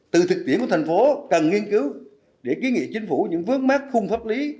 từ thực tiễn của thành phố cần nghiên cứu để ký nghị chính phủ những vướng mắt khung pháp lý